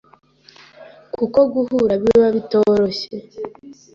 kuko guhura biba bitoroshye